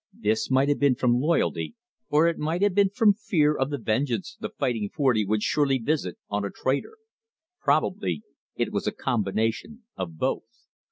This might have been from loyalty, or it might have been from fear of the vengeance the Fighting Forty would surely visit on a traitor. Probably it was a combination of both.